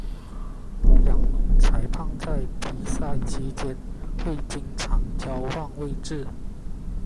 两名裁判在比赛期间会经常交换位置。